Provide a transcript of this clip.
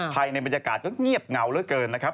ใครในบรรยากาศก็เงียบเงาแล้วเกินนะครับ